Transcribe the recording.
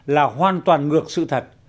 là hoàn toàn ngược sự thật